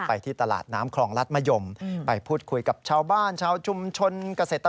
กรณีนี้ทางด้านของประธานกรกฎาได้ออกมาพูดแล้ว